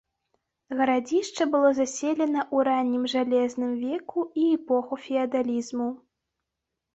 Гарадзішча было заселена ў раннім жалезным веку і эпоху феадалізму.